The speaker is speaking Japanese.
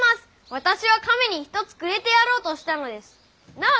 私は亀に１つくれてやろうとしたのです。なあ？